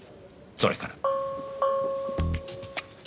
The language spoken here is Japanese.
それから。